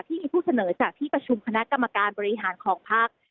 ที่มีผู้เสนอจากที่ประชุมคณะกรรมการบริหารของภักดิ์